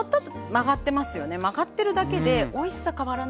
曲がってるだけでおいしさ変わらないんですよ。